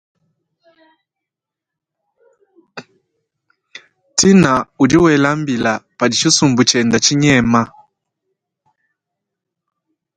Tina udi wela mbila padi thsisumbu tshiende thsinyema.